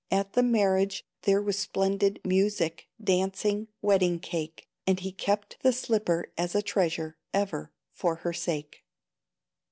At the marriage there was splendid Music, dancing, wedding cake; And he kept the slipper as a treasure Ever, for her sake.